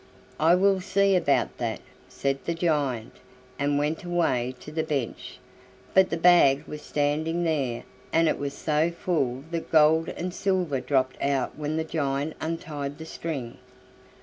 "I will see about that," said the giant, and went away to the bench, but the bag was standing there, and it was so full that gold and silver dropped out when the giant untied the string.